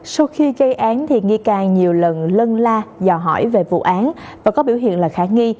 sau khi gây án thì nghi càng nhiều lần lân la dò hỏi về vụ án và có biểu hiện là khả nghi